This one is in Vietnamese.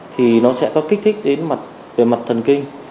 thì nó sẽ có kích thích đến mặt về mặt thần kinh